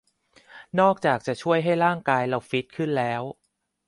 นอกจากจะช่วยให้ร่างกายเราฟิตขึ้นแล้ว